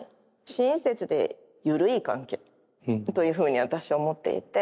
親切で緩い関係というふうに私は思っていて。